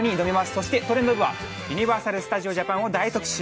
そして「トレンド部」は、ユニバーサル・スタジオ・ジャパンを大特集。